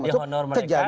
jadi honor mereka